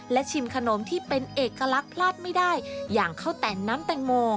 และชิมขนมที่เป็นเอกลักษณ์พลาดไม่ได้อย่างข้าวแต่นน้ำแตงโม